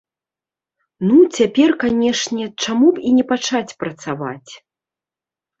Ну, цяпер, канешне, чаму б і не пачаць працаваць.